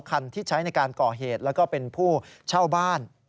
คันที่ใช้ในการก่อเหตุแล้วก็เป็นผู้เช่าบ้าน